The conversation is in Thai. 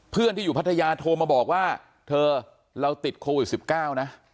เพื่อนที่อยู่พัทยาโทรมาบอกว่าเธอเราติดโควิด๑๙นะ